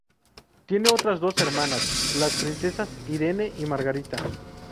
Tiene otras dos hermanas, las princesas Irene y Margarita.